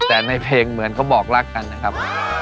แต่ในเพลงเหมือนเขาบอกรักกันนะครับ